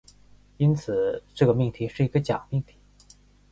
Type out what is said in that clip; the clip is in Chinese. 因此，这个命题是一个假命题。